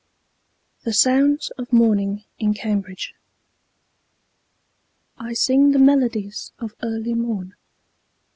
THE SOUNDS OF MORNING IN CAMBRIDGE. I sing the melodies of early morn.